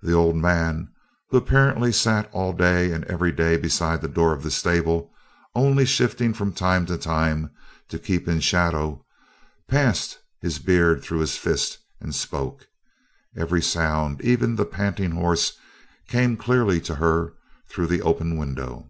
The old man who apparently sat all day and every day beside the door of the stable, only shifting from time to time to keep in shadow, passed his beard through his fist and spoke. Every sound, even of the panting horse, came clearly to her through the open window.